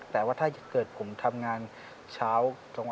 แต่ว่าถ้าเกิดผมทำงานเช้า